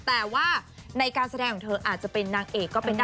แต่ว่าในการแสดงของเธออาจจะเป็นนางเอกก็เป็นได้